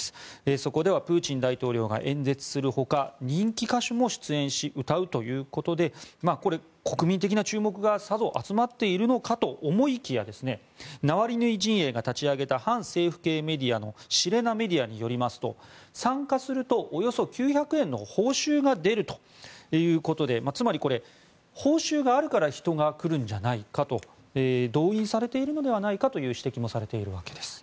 そこではプーチン大統領が演説するほか人気歌手も出演し歌うということでこれ、国民的な注目がさぞ集まっているのかと思いきやナワリヌイ陣営が立ち上げた反政府系のメディアのシレナメディアによりますと参加すると、およそ９００円の報酬が出るということでつまりこれ、報酬があるから人が来るんじゃないかと動員されているのではないかという指摘もされているわけです。